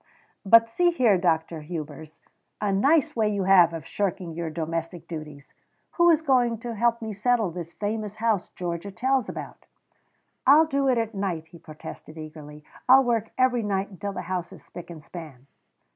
"But see here, Dr. Hubers, a nice way you have of shirking your domestic duties! Who is going to help me settle this famous house Georgia tells about?" "I'll do it at night," he protested eagerly. "I'll work every night until the house is spick and span."